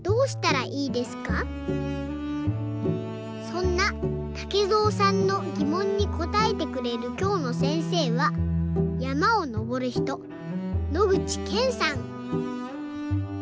そんなたけぞうさんのぎもんにこたえてくれるきょうのせんせいはやまをのぼるひと野口健さん。